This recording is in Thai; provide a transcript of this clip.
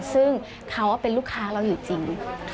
ซึ่งเขาเป็นลูกค้าเราอยู่จริง